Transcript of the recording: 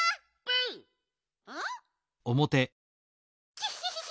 キヒヒヒ！